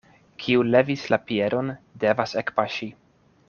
Kiu levis la piedon, devas ekpaŝi.